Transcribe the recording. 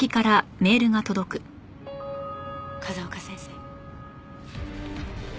風丘先生。